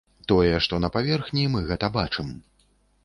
Тое, што на паверхні, мы гэта бачым.